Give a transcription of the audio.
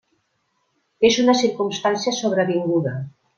És una circumstància sobrevinguda.